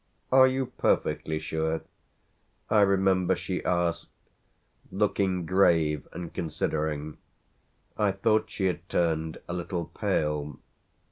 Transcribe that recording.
"Are you perfectly sure?" I remember she asked, looking grave and considering: I thought she had turned a little pale.